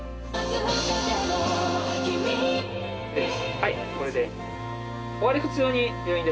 はいこれで。